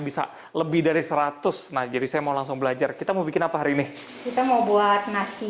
bisa lebih dari seratus nah jadi saya mau langsung belajar kita mau bikin apa hari ini kita mau buat nasi